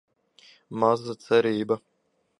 Maza cerība.